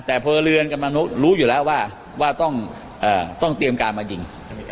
แต่เผลอเรือนกับมนุษย์รู้อยู่แล้วว่าว่าต้องต้องเตรียมการมาจริง